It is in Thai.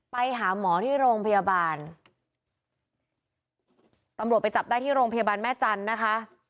ไปหาหมอที่โรงพยาบาลตำรวจไปจับได้ที่โรงพยาบาลแม่จันทร์นะคะ